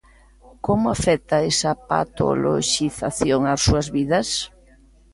Como afecta esa patoloxización ás súas vidas?